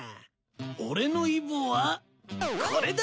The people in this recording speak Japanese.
俺のイボはこれだ。